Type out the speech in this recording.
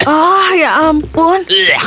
oh ya ampun